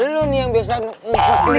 lu nih yang biasanya